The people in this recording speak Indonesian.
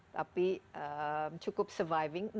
tapi cukup surviving